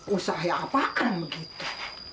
usahe apakan begitu